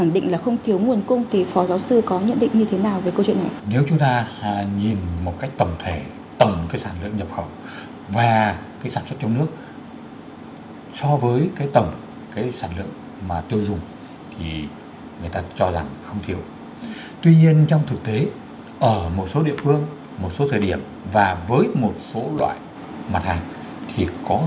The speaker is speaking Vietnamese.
mời quý vị cùng theo dõi